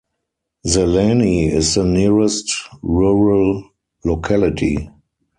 Zeleni is the nearest rural locality.